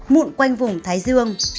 mụn quanh vùng thái dương